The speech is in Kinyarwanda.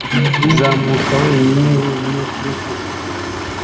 Uzamuka wenyine wenyine kuri shelegi